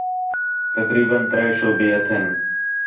تقریباً تریہہ شعبے ہتھین